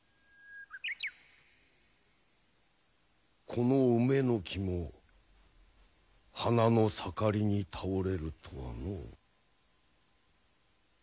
この梅の木も花の盛りに倒れるとはのう。